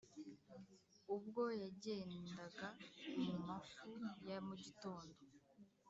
Ubwo yagendaga mu mafu ya mugitondo,